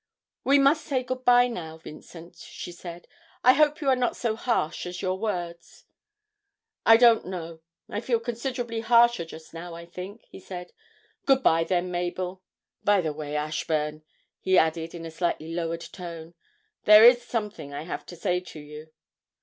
'We must say good bye now, Vincent,' she said. 'I hope you are not so harsh as your words.' 'I don't know. I feel considerably harsher just now, I think,' he said. 'Good bye then, Mabel. By the way, Ashburn,' he added in a slightly lowered tone, 'there is something I have to say to you.'